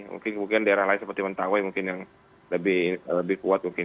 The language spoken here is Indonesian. mungkin daerah lain seperti mentawai mungkin yang lebih kuat mungkin